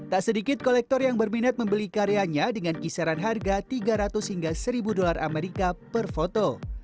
tak sedikit kolektor yang berminat membeli karyanya dengan kisaran harga tiga ratus hingga seribu dolar amerika per foto